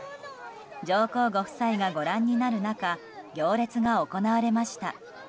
上皇ご夫妻がご覧になる中行列が行われました。